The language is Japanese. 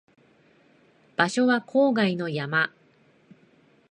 場所は郊外の山